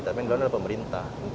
tapi yang dilawan adalah pemerintah